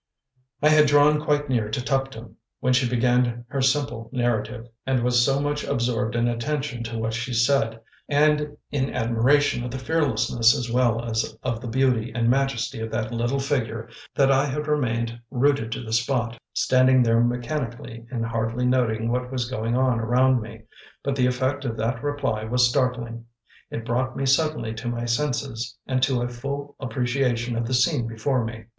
I had drawn quite near to Tuptim when she began her simple narrative, and was so much absorbed in attention to what she said, and in admiration of the fearlessness as well as of the beauty and majesty of that little figure, that I had remained rooted to the spot, standing there mechanically, and hardly noting what was going on around me. But the effect of that reply was startling; it brought me suddenly to my senses and to a full appreciation of the scene before me.